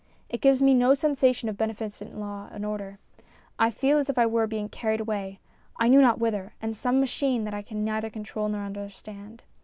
It gives me no sensation of beneficent law and order. I feel as I were being carried away, I knew not whither, on some machine that I can neither control nor understand.